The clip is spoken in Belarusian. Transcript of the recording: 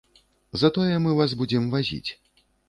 Затое мы вас будзем вазіць.